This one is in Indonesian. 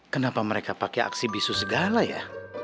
kenapa mereka pakai aksi bisu segala ya